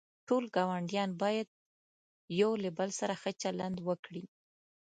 ټول گاونډیان باید یوله بل سره ښه چلند وکړي.